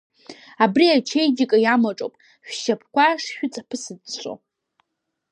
Абри ачеиџьыка иамаҿоуп, шәшьапқәа шшәыҵаԥысыҵәҵәо.